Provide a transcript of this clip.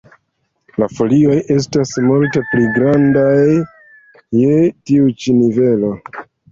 La folioj estas multe pli grandaj je tiu ĉi nivelo.